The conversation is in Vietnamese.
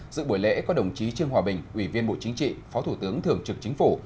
dự buổi lễ có đồng chí trương hòa bình ủy viên bộ chính trị phó thủ tướng thường trực chính phủ